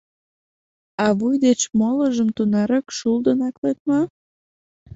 — А вуй деч молыжым тунарак шулдын аклет мо?